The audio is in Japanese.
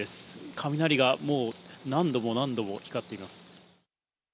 雷がもう、何度も何度も光っています。